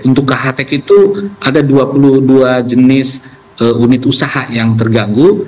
untuk ke hatek itu ada dua puluh dua jenis unit usaha yang terganggu